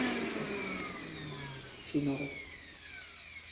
'* he said* She nodded.